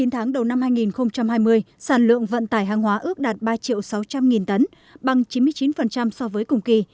chín tháng đầu năm hai nghìn hai mươi sản lượng vận tải hàng hóa ước đạt ba triệu sáu trăm linh nghìn tấn bằng chín mươi chín so với cùng kỳ